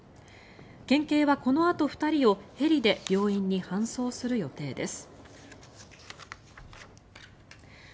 県警はこのあと２人をヘリで病院に搬送する予定です。